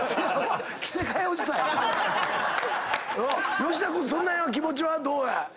吉田君そんなような気持ちはどうや？